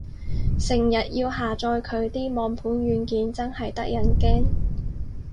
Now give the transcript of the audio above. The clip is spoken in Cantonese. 成日要下載佢啲網盤軟件，真係得人驚